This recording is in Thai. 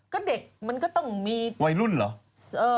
ก็เด็กมันก็ต้องมีวัยรุ่นเหรอ